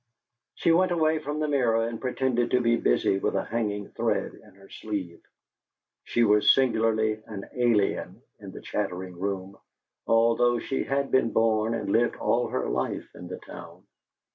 She went away from the mirror and pretended to be busy with a hanging thread in her sleeve. She was singularly an alien in the chattering room, although she had been born and lived all her life in the town.